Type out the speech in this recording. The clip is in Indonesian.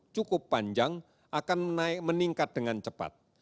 cukup panjang akan meningkat dengan cepat